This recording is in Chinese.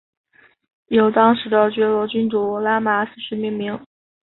由当时的暹罗君主拉玛四世命名。